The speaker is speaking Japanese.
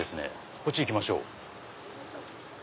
こっち行きましょう。